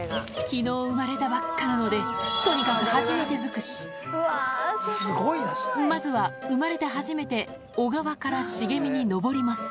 昨日生まれたばっかなのでとにかくまずは生まれて初めて小川から茂みに上ります